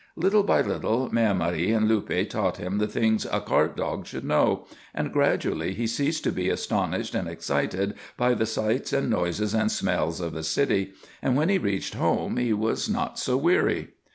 Little by little Mère Marie and Luppe taught him the things a cart dog should know, and gradually he ceased to be astonished and excited by the sights and noises and smells of the city, and when he reached home he was not so weary.